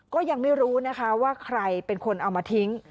ก็ยังไม่รู้นะคะว่าใครเป็นคนเอามาทิ้ง